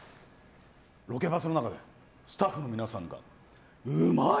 ロケバスの中でスタッフの皆さんがうまい！